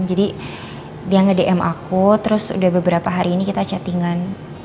jadi dia nge dm aku terus udah beberapa hari ini kita chattingan